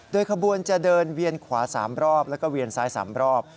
โดยขบวนจะเดินเวียนขวา๓รอบแล้วก็เวียนซ้าย๓รอบ